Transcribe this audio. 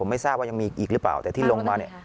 ไม่ทราบว่ายังมีอีกหรือเปล่าแต่ที่ลงมาเนี่ย